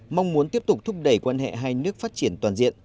mong muốn tiếp tục thúc đẩy quan hệ hai nước phát triển toàn diện